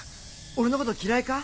俺のこと嫌いか？